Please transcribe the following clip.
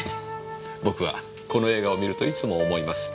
僕はこの映画を観るといつも思います。